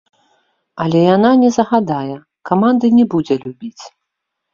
Але яна не загадае, каманды не будзе любіць.